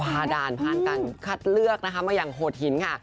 ขาดนาลพันธ์กันคัดเลือกนะคะมาอย่างโหดหินค่ะ